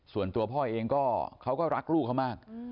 ส่วนตัวพ่อเองก็เขาก็รักลูกเขามาก